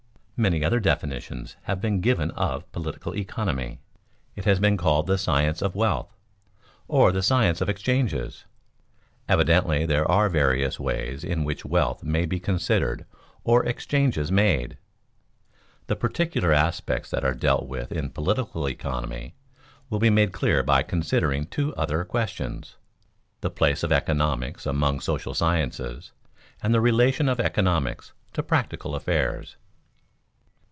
Many other definitions have been given of political economy. It has been called the science of wealth, or the science of exchanges. Evidently there are various ways in which wealth may be considered or exchanges made. The particular aspects that are dealt with in political economy will be made clear by considering two other questions, the place of economics among the social sciences and the relation of economics to practical affairs.